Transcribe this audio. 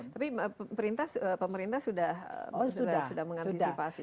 tapi pemerintah sudah mengantisipasi